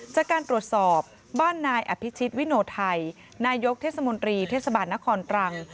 จากการตรวจสอบบ้านนายอภิชิตวิโนไทยนายกเทศมนตรีเทศบาลนครตรัง